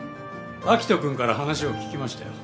明人君から話を聞きましたよ。